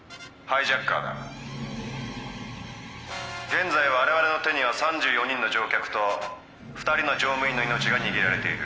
現在我々の手には３４人の乗客と２人の乗務員の命が握られている。